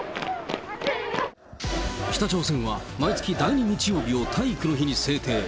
北朝鮮は、毎月第２日曜日を体育の日に制定。